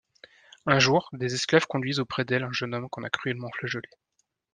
Un jour, des esclaves conduisent auprès d'elle un jeune homme qu'on a cruellement flagellé.